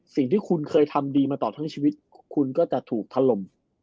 สิ่งที่คุณเคยทำดีมาต่อทั้งชีวิตคุณก็จะถูกทะลม